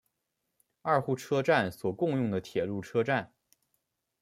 二户车站所共用的铁路车站。